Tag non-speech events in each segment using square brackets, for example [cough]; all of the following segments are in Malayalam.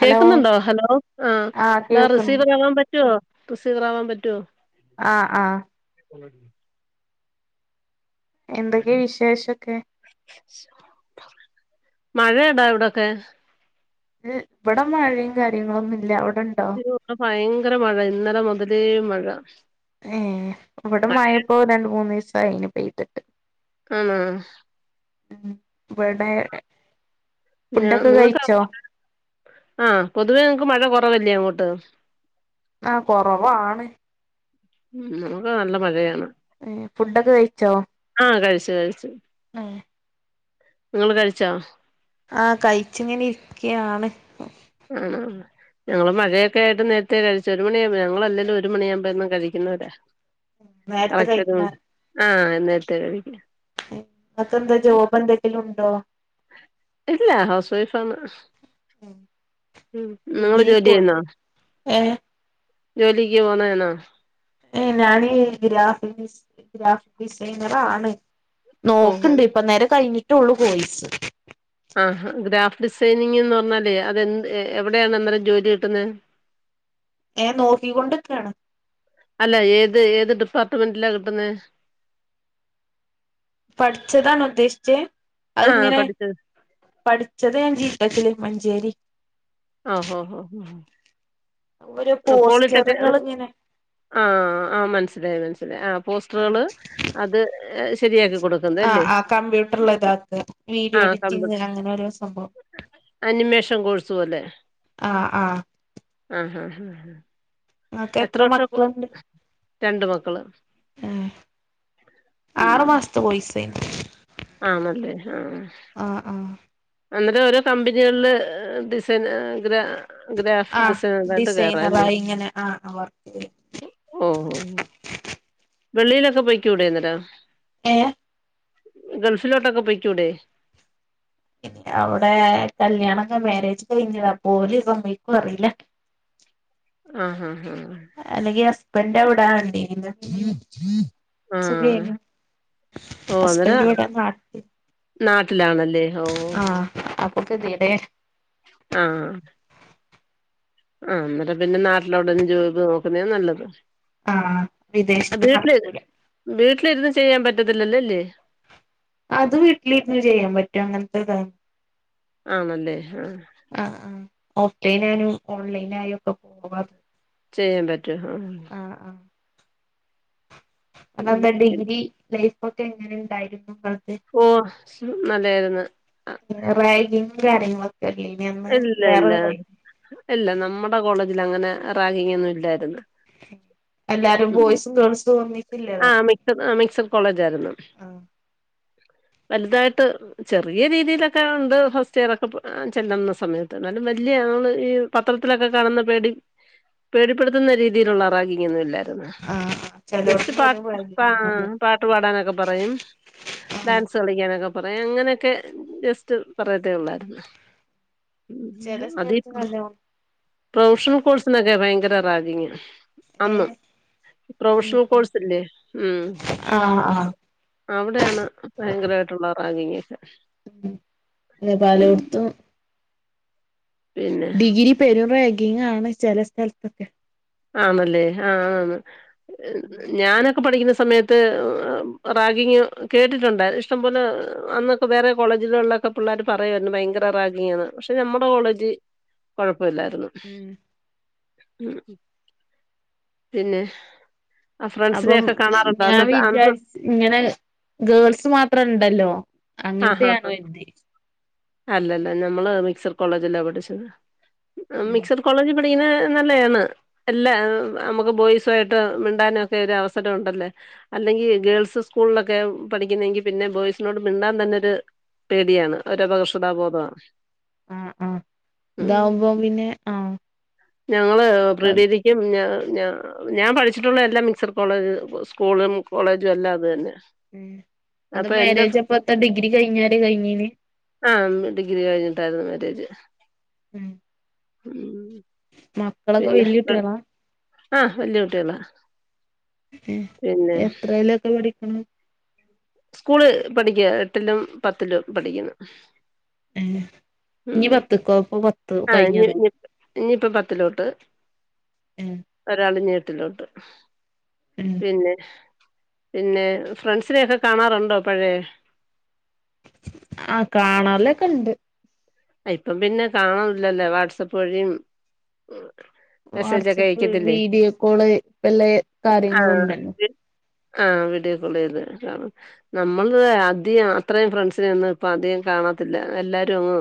ഹലോ കേക്ക്ന്നുണ്ടോ ഹലോ ആ ആഹ് എടാ കേൾക്കുന്നു റിസീവറാവാൻ പറ്റോ? റിസീവറാവാം പറ്റുവോ? ആഹ ആഹ [inaudible] എന്തെക്കെ വിശേഷൊക്കെ? മഴേടാ ഇവടൊക്കെ ഇവടെ മഴിം കാര്യങ്ങളൊന്നുല്ല്യ അവിടെണ്ടോ? ഓ ഇവടെ ഫയങ്കര മഴ ഇന്നലെ മുതലേ മഴ ഏഹേ ഇബടെ മഴപ്പൊ രണ്ട് മൂന്നീസായീണ് പെയ്ത്ട്ട് ആണോ? ഉം ഇവടെ ആഹാ നിങ്ങക്കങ്ങോട്ട് [unintelligible] ആ പൊതുവെ ഇങ്ങക്ക് മഴ കൊറവല്ലേ അങ്ങോട്ട്? ആഹ കൊറവാണ് ഉം നമ്മക്കൊക്കെ നല്ല മഴയാണ് ഏഹേ ഫുഡൊക്കെ കഴിച്ചോ? ആഹ് കഴിച്ച് കഴിച്ച് മ് ഇങ്ങള് കഴിച്ചോ? ആഹ് കഴിച്ചിങ്ങനെ ഇരിക്ക്യാണ് ആണോ? ഞങ്ങള് മഴൊക്കെയായിട്ട് നേരത്തെ കഴിച്ച് ഒരു മണിയാക്കുമ്പോ ഞങളെല്ലേലും ഒരു മണിയാകുമ്പെയെന്നും കഴിക്കുന്നവരാ നേരത്തെ കറക്ട്ടായിട്ട് കഴിക്കുന്ന ആഹ് നേരെത്തെ കഴിക്കും എഹെ ഇങ്ങെക്കെന്താ ജോബ് എന്തെങ്കിലുണ്ടോ? ഇല്ല ഹൗസ് വൈഫാണ് ഉം നിങ്ങള് ഡിഗ്രി പോയി ജോലിയ്യുന്നോ? ഏഹ് ജോലിക്ക് പോണെണോ? എഹ് ഞാന് ഗ്രാഫിക് ഡിസൈ ഗ്രാഫിക് ഡിസൈനറാണ് ഓഹോ നോക്ക്ണ്ട് ഇപ്പന്നേരെ കഴിഞ്ഞിട്ടൊള്ളു കോഴ്സ് ആഹാ ഗ്രാഫ്റ്റ് ഡിസൈനിങ്ങിന്ന് പറഞ്ഞാലേ അത് എന്ത് എവിടെയാണ് അന്നേരം ജോലി കിട്ടുന്നെ ഏഹെ നോക്കി കൊണ്ട്ക്കാണ് അല്ല ഏത് ഏത് ഡിപ്പാർട്ട്മെന്റിലാ കിട്ടുന്നെ? പഠിച്ചതാണോ ഉദ്ദേശിച്ചേ ആ അഹ്ങ്ങെനെ പഠിച്ചത്. പഠിച്ചത് ഞാ ജീ ട്ടെ ക്കില് മഞ്ചേരി ആഹ് ആഹ് ഒരു ആഹ് പോളിട്ടെക്കെ പോസ്റ്ററുകൾ ഇങ്ങനെ ആഹ് ആഹ് മനസ്സിലായി മനസ്സിലായി. ആ പോസ്റ്ററുകള് അത് ശെരിയാക്കി കൊട്ക്ക്‌ന്നത് അല്ലേ. കമ്പ്യൂട്ടർല് താക്കാ. ആ വീഡിയോ എഡിറ്റിങ് കമ്പ്യൂട്ടർ അങ്ങനോരോ സംഭവം. അനിമേഷൻ കോഴ്സ് പോലെ, ആ ആ ആഹ് ആഹ്. ഇങ്ങക്കെത്ര മക്കലള്ണ്ട്? മക്കള്. ഏഹ് ആറുമാസത്തെ കോഴ്സ് [unintelligible] ആണല്ലേ, ആഹ്. ആഹ്, ആഹ്. അങ്ങനെ ഓരോ കമ്പനികളില് ഏഹ് ഡിസൈൻ ഗ്രാ ആ ഗ്രാഫിക്ക്‌ ഡിസൈനറായ്ട്ട് കേറാല്ലേ. ഡിസൈനറായി ഇങ്ങനെ ആ വർക്ക് ചെയ്യ ഓഹ് ഓഹ് വെള്ളീലൊക്കെ പോയിക്കൂടെ അന്നേരം. ഏ ഗൾഫിലോട്ടൊക്കെ പോയ്ക്കൂടെ? അവടെ കല്യാണൊക്കെ മാരേജ് കഴിഞ്ഞതാ, പ്പോല് സമ്മയ്ക്കോ അറീല. ആഹ് ആഹ് ആഹ. അല്ലെങ്കി ഹസ്ബന്റവടാണ്ടീന്നു ആഹ് ആഹ് സുഖേയ്ന്നു. ഓ ഹസ്ബൻഡ് അന്നേരം വ്‌ടെ നാട്ടി. നാട്ടിലാണല്ലേ ഓ ആഹ് അപ്പക്കെത്യേടെ, ആഹ് ആഹ് ന്നട്ട് പിന്നെ നാട്ടിലവിടന്ന് ജോബ് നോക്കുന്നേ നല്ലത്. ആഹ് വിദേശത്ത് നടക്കൂല. വീട്ടിലിര്ന്ന് ചെയ്യാൻ പറ്റത്തില്ലല്ലേ അല്ലേ? അത് വീട്ട്ലിര്ന്ന് ചെയ്യാൻ പറ്റും, അങ്ങൻത്തെതാ. ആണല്ലെ ആഹ്. ആ ആ ഓഫ് ലൈനായും, ഓൺ ലൈനായും ഒക്കെ പോവാ അത്. ചെയ്യാൻ പറ്റും. ആഹ് ആഹ് ആ. അപ്പത്തെ ഉം ഡിഗ്രി ലൈഫൊക്കെ എങ്ങനെ ഉണ്ടായിരുന്നു നിങ്ങക്ക്? ഓ നല്ലായിര്ന്നു. റാഗിങ്ങും കാര്യങ്ങളൊക്കെല്ലേ ഇല്ലേനന്ന്. ഇല്ല ഇല്ല വേറെ [unintelligible] ഇല്ല നമ്മടെ കോളേജിൽ അങ്ങനെ റാഗിങ്ങൊന്നും ഇല്ലായിരുന്നു. എല്ലാരും ബോയ്സും ഗേൾസും ഒന്നി ആഹ് മിക്സട്, മിക്സട് കോളേജായിര്ന്നു. [inaudible] വല്തായിട്ട് ഏഹ് ചെറിയ രീതീലൊക്കെ ഉണ്ട്. ഫസ്റ്റ് ഇയറൊക്കെ ചെല്ലുന്ന സമയത്ത്. ന്നാലും വല്ല്യേ ആള് ഈ പത്രത്തിലൊക്കെ കാണ്ന്ന പേടി പേടിപ്പെട്ത്തുന്ന രീതീല്ള്ള റാഗിങ്ങൊന്നും ഇല്ലായിര്ന്നു. ആഹ് ആ. പാ ആഹ് പാട്ട് പാടാനൊക്കെ പറയും. ആഹ് ഡാൻസ് കളിക്കാനൊക്കെ പറയും. അങ്ങനെക്കെ ജസ്റ്റ് പറയത്തെ ഒള്ളായിര്ന്നു. ചെല [unintelligible] അതി സ്ഥലത്ത് നല്ലോണം പ്രൊഫഷണൽ കോഴ്സിനൊക്കെ ഭയങ്കര റാഗിങാ. അന്ന് ഏഹ് പ്രൊഫഷണൽ കോഴ്സില്ലെ. ഉം. ആഹ് ആഹ് അവിടേണ് ഭയങ്കരായിട്ട്ള്ള റാഗിങ്ങൊക്കെ. ന്ന് പലോട്ത്തും, പിന്നെ ഡിഗ്രി പെരും റേഗിങ്ങാണ് ചെല സ്ഥലത്തൊക്കെ. ആണല്ലേ, ആഹ് ആണ്. ഞാനൊക്കെ പഠിക്ക്‌ന്ന സമയ ത്ത് റാഗിങ് കേട്ടിട്ടുണ്ട്. ഇഷ്ടം പോലെ അന്നൊക്കെ വേറെ കോളേജിലൊള്ള ക്കെ പിള്ളേര് പറയാരുന്നു ഭയങ്കര റാഗിങ്ങാണ്. പക്ഷെ നമ്മുടെ കോളജ് കൊഴപ്പല്ലായിര്ന്നു. ഉം. ഉം പിന്നെ അ ഫ്രണ്ട്സിനെക്കെ കാണാറുണ്ടോ അന്നത്തെ അ ങ്ങനെ ഗേൾസ് മാത്രണ്ടല്ലോ ആഹ് ഹഹ അങ്ങനത്തെയാണോ കര്തി അല്ലല്ല നമ്മള് മിക്സട് കോളേജിലാ പഠിച്ചത് മിക്സട് കോളേജി പടിക്കണേ നല്ലയാണ് അല്ല നമുക്ക് ബോയ്സുവായിട്ട് മിണ്ടാനൊക്കെ ഒരു അവസരം ഉണ്ടല്ലേ അല്ലെങ്കി ഗേൾസ് സ്കൂളിലൊക്കെ പഠിക്കുന്നെങ്കി പിന്നെ ബോയ്സിനോട് മിണ്ടാ ണ്ടാൻ തന്നൊരു പേടിയാണ് ഒരപകർഷതാബോധമാണ് ആഹ് ആഹ് ഇതാവുമ്പോ പിന്നെ ആഹ് ഞങ്ങള് അത് പ്രീടിഗ്രി ഞ്ഞം ഞ ഞാ ഞാൻ പഠിച്ചിട്ടുള്ള എല്ലാ മിക്സഡ് കോളേജ് സ്കൂളും കോളേജുല്ലാം അതെന്നെ ഉം അത് മാരേജ് അപ്പത്തെ ഡിഗ്രി കഴിഞ്ഞാരെ കഴഞ്ഞീന്ന് ആഹ് ഡിഗ്രി കഴിഞ്ഞിട്ടായിരുന്നു മാരേജ് ഉം ഉം മക്ക പിന്നെ ആഹ് വല്ല്യ കുട്ട്യേളാ ഉം എത്രയിലൊക്കെ പഠിക്കണ് സ്കൂള് പഠിക്യ എട്ടിലും പത്തിലും പഠിക്ക്ന്ന് ഉം ഇഞ്ഞി പത്ത്ക്കോ പ്പ പത്ത് ആഹ് ഇഞ്ഞി കഴിഞ്ഞതോ ഇഞ്ഞി ഇഞ്ഞിപ്പ പത്തിലോട്ട് ഉം ഒരാളിഞ്ഞി എട്ടിലോട്ട് ഉം പിന്നെ പിന്നെ ഫ്രണ്ട്സിനെക്കെ കാണാറുണ്ടോ പഴേ ആഹ് കാണലൊക്കെണ്ട് ഇപ്പം പിന്നെ കാണൂല്ലല്ലേ വാട്സആപ്പ് വഴിം വാട്സആപ്പ് അയക്കത്തില്ലേ വീഡിയോ കോള് എല്ല ആ കാര്യങ്ങളുണ്ടല്ലോ ആഹ് വീഡിയോ കോൾ ചെയ്ത് കാണും നമ്മൾത് അധി അത്രയും ഫ്രണ്ട്സിനെ ഒന്നും ഇപ്പ അധികം കാണാത്തില്ല എല്ലാരും അങ്ങ്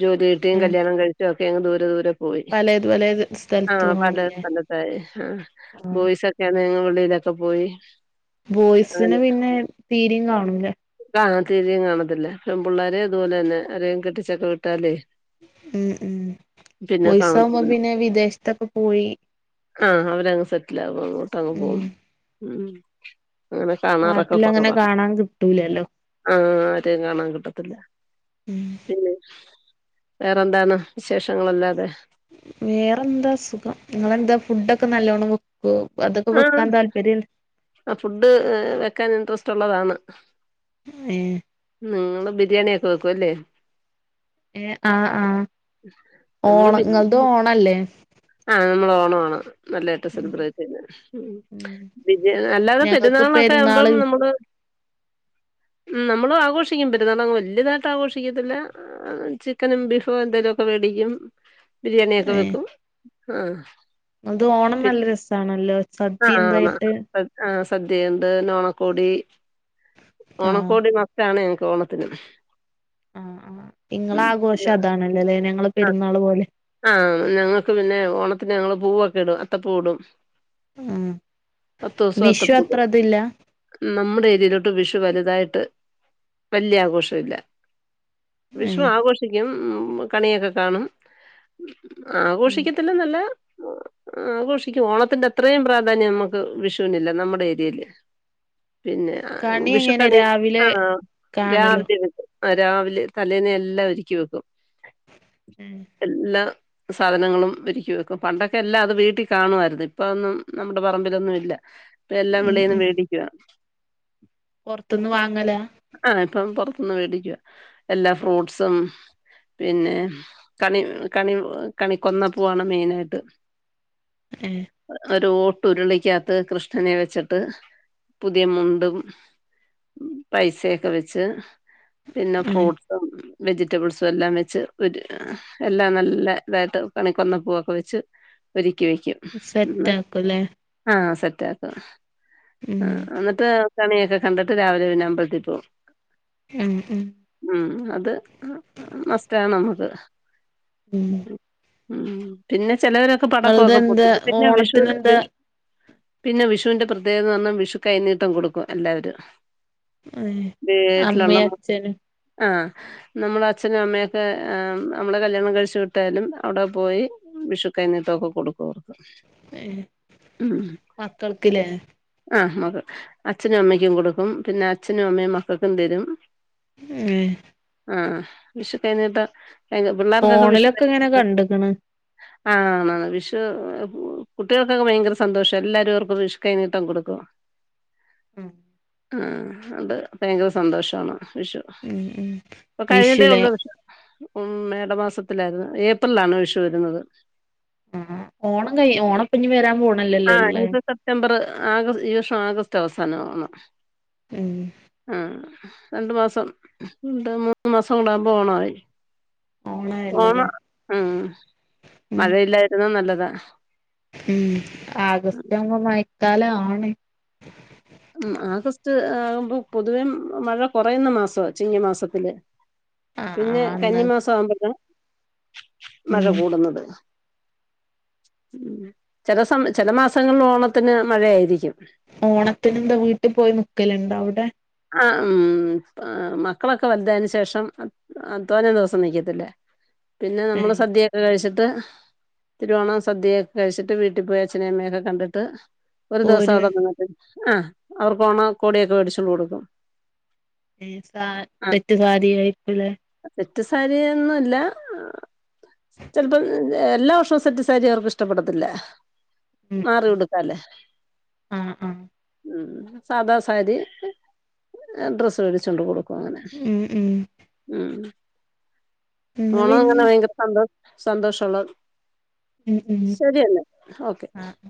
ജോലി കിട്ടീം ഉം കല്ല്യാണം കഴിച്ചോക്കെ അങ്ങ് ദൂരെ ദൂരെ പോ പോയി പലേത് പലേത് ആഹ് പല സ്ഥലത്തുമാണല്ലേ പലതായി ആ ബോയ്സൊക്കെ [unintelligible] വെളീലൊക്കെ പോയി ബോയ്സിനെ അങ്ങനെ പിന്നെ തീരീം കാണൂല ആഹ് തീരീം കാണത്തില്ല പെമ്പിള്ളേരിം അതോലന്നെ ആരെലും കെട്ടിചൊക്കെ വിട്ടാലേ ഉം ഉം പിന്നെ ബോയ്സാകുമ്പോ കാണത്തില്ല പിന്നെ വിദേശത്തൊക്കെ പോയി ആഹ് അവരങ്ങ് സെറ്റിൽ ആവും അങ്ങോട്ടങ്ങ് ഉം പോകും ഉം അങ്ങനെ കാണാറൊക്കെ നാട്ടിലങ്ങനെ കൊറവാ കാണാൻ കിട്ടൂലല്ലോ ആഹ് ആരെയും കാണാൻ കിട്ടത്തില്ല ഉം പിന്നെ വേറെന്താണ് വിശേഷങ്ങളല്ലാരേം വേറെന്താ സുഖം ഇങ്ങളെന്താ ഫുഡൊക്കെ നല്ലോണം വെക്കോ അതൊക്കെ വെക്കാൻ താല്പര്യണ്ടാ ആഹ് ഫുഡ് വെക്കാൻ ഇൻട്രസ്റ്റ് ഉള്ളതാണ് ഏഹ് ഉം ങ്ങള് ബിരിയാണി ഒക്കെ വെക്കും ല്ലേ ഏ ആഹ് ആഹ് ഓണ ങ്ങൾത് ഓണല്ലേ ആഹ് മ്മള് ഓണാണ് നല്ലായിട്ട് ഉം സെലിബ്രേറ്റ് ചെയ്യല് ഉം ബിരിയാ അല്ലാതെ പെരുന്നാൾനൊക്കെ ആവുമ്പം നമ്മള് ! ! ! ! ഉം നമ്മള് ആഘോഷിക്കും പെരുന്നാളവ്ബോ വല്യതായിട്ട് ആഘോഷിക്കത്തില്ല ആഹ് ചിക്കനും ബീഫും എന്തെലൊക്കെ വേടിക്കും ബിരിയാണിയൊക്കെ ഏ വെക്കും ആഹ് അത് ഓണം നല്ല രസാണല്ലോ സദ്യ ആഹ് എന്തായിട്ട് ആ ആ സദ്യയുണ്ട് ഓണക്കോടി ആഹ് ഓണക്കോടി മസ്റ്റാണ് ഞങ്ങക്ക് ഓണത്തിന് ആഹ ആഹ് നിങ്ങളെ ഉം പിന്നെ ആഘോഷം അതാണല്ലേ അല്ലെ ഞങ്ങളെ പെരുന്നാൾ പോലെ ആഹ് ഞങ്ങൾക്ക് പിന്നെ ഓണത്തിന് ഞങ്ങള് പൂവൊക്കെ ഇടും അത്തപ്പൂ ഇടും ആഹ് പത്ത് ദിവസം അത്ത വിഷു പൂ ഇടും അത്ര ഇതില്ല നമ്മുടെ ഏരിയയിലോട്ട് വിഷു വലുതായിട്ട് വലിയ ആഘോഷ ഇല്ല വിഷു ഏഹ് ആഘോഷിക്കും കണിയൊക്കെ കാണും. ഉം ആഘോഷിക്കത്തില്ല നല്ല ആഘോഷിക്കും ഓണത്തിന്റെ അത്രയും പ്രാധാന്യം നമുക്ക് വിഷുവിനില്ല നമ്മുടെ ഏരിയയില് പിന്നെ കണി എങ്ങനെ വിഷുക്കണി ആ രാവിലെ കാണലോ രാവിലെ രാവിലെ തലേന്ന് എല്ലാം ഒരുക്കി വെക്കും ഏഹ് എല്ലാം സാധനങ്ങളും വിരിക്ക വെക്കും പണ്ടൊക്കെ എല്ലാം അത് വീട്ടിൽ കാണുമായിരുന്നു ഇപ്പതോന്നും നമ്മുടെ പറമ്പിലൊന്നും ഇല്ല ഇപ്പ എല്ലാം ഉം വെളിയിൽന്ന് മേടിക്കുവാ പുറത്തൊന്ന് വാങ്ങല ആഹ ഇപ്പം പുറത്തുന്ന് മേടിക്കുക എല്ലാ ഫ്രൂട്ട്സും പിന്നെ കണി കണി കണി കൊന്നപ്പൂവാണ് മെയിനായിട്ട് ങ്ങേ ഒരു ഓട്ട് ഉരുളിക്കകത്ത് കൃഷ്ണനെ വെച്ചിട്ട് പുതിയ മുണ്ടും പൈസൊക്കെ വെച്ച് പിന്നെ ഏഹ് ഫ്രൂട്ട്സും വെജിറ്റബിൾസും എല്ലാം വെച്ച് ഒരു എല്ലാം നല്ല ഇതായിട്ട് കണിക്കോന്നപ്പൂവൊക്കെ വെച്ച് ഒരുക്കി വെക്കും സെറ്റാക്കൂല്ലേ ആഹ സെറ്റ് ആക്കും ഉം ആഹ് എന്നിട്ട് കണിയൊക്കെ കണ്ടിട്ട് രാവിലെ പിന്നെ അമ്പലത്തി പോകും ഉം ഉം ഉം അത് മസ്റ്റാണ് നമുക്ക് ഉം ഉം പിന്നെ ചിലവരൊക്കെ പടക്കൊക്കെ ഇങ്ങളതെന്താ പൊട്ടിക്കും പിന്നെ ഓണത്തിനെന്താ വിഷുവിനു പിന്നെ വിഷുവിന്റെ പ്രത്യേകത എന്ന് പറഞ്ഞാൽ വിഷു കൈനീട്ടം കൊടുക്കും എല്ലാവരും ഏഹ് വീട്ടില് ഉള്ള അമ്മയും അച്ഛനും ആഹ് നമ്മള അച്ഛനും അമ്മയൊക്കെ നമ്മളെ - കല്ല്യാണം കഴിച്ചു വിട്ടാലും അവിടെ പോയി വിഷുക്കൈനീട്ടാമൊക്കെ കൊടുക്കും ഏഹ് ഉം മക്കൾക്ക്ല്ലേ ആഹ് മക്കൾ അച്ഛനും അമ്മയ്ക്കും കൊടുക്കും പിന്നെ അച്ഛനും അമ്മയും മക്കൾക്കും തരും ഏഹ് ആഹ വിഷു കൈ നീട്ടം പിള്ളേർക്കൊക്കെ വിഷു ഫോണിലൊക്കെ ഇങ്ങനെ കഴിഞ്ഞ- കണ്ട്ക്ക്ണ് ആ വിഷു കുട്ടികൾക്കൊക്കെ ഭയങ്കര സന്തോഷം എല്ലാരും അവർക്കും വിഷു കൈനീട്ടം കൊടുക്കും ഉം ആഹ ഉണ്ട് ഭയങ്കര സന്തോഷമാണ് വിഷു ഉം ഉം അപ്പൊ കഴിഞ്ഞിട്ടേ വിഷുലെ ഉള്ളൂ വിഷു ഉം മേട മാസത്തിലായിരുന്നു ഏപ്രിലാണ് വിഷു വരുന്നത് ആ ഓണം കൈ ഓണം ഞ്ഞി വരാ പോണല്ലോ ആ ഇത് സെപ്റ്റംബർ ആഗസ്റ്റ് ഈ വർഷം ആഗസ്റ്റ് അവസാനം ആണ് ഉം ആ രണ്ട് മാസം രണ്ട് മൂന്ന് മാസം കൂടാകുമ്പോ ഓണായി ഓണായല്ലല്ലേ ഓണം ഉം ഉം മഴയില്ലായിരുന്ന നല്ലതാ ഉം ആഗസ്റ്റ് ആവുമ്പോ മയക്കാല ആണ് ഉ ആഗസ്റ്റ് ആകുമ്പോ പൊതുവേ മഴ കുറയുന്ന മാസ ചിങ്ങ മാസത്തില് ആ പിന്നെ ആന്ന് കന്നിമാസ ആവുമ്പോത്ത് മഴ ഉം കൂടുന്നത് ഉം ചെല സമ ചെല മാസങ്ങളിൽ ഓണത്തിന് മഴയായിരിക്കും ഓണത്തിന് എന്താ വീട്ടി പോയി നിക്കലുണ്ട അവിടെ? ആഹ് ഉം മക്കളൊക്കെ വലുതായെന് ശേഷം തോനേം ദെവസം നിക്കത്തില്ല പിന്ന ഏ നമ്മള് സദ്യ കഴിച്ചിട്ട് തിരുവോണ സദ്യയൊക്കെ കഴിച്ചിട്ട് വീട്ടി പോയി അച്ഛനേ അമ്മയെക്കെ കണ്ടിട്ട് ഒരു ദെവസം പോരും അവിടെ നിന്നിട്ട് ആഹ് അവർക്ക് ഓണക്കോ ടിയക്കെ മേടിച്ചോണ്ട്‌ കൊടു ഈ സാ ആ സെറ്റ് സാരി ആയിരിക്കലെ. സെറ്റ് സാരിയൊന്നുല്ല. ചെലപ്പം എല്ലാ വർഷോം സെറ്റ്സാരി അവർക്ക്‌ ഇഷ്ടപ്പെടത്തില്ല. ഉം മാറി ഉടുക്കാല്ലാ ആ ആ ഉം. സാദാ സാരി. ഡ്രസ്സ് വേടിച്ചുണ്ട് കൊടുക്കും അങ്ങനെ ഉം ഉം ഉം. എന്നാ ഓണം എങ്ങനെ പിന്നെ ഭയങ്കര സന്തോ, സന്തോഷള്ള ഉം ഉം ശരിയന്നെ ഓക്കെ. ആ ആ